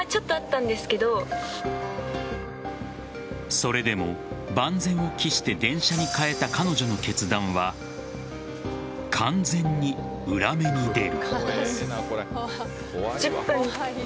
それでも、万全を期して電車に変えた彼女の決断は完全に裏目に出る。